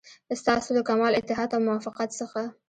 ستاسو له کمال اتحاد او موافقت څخه.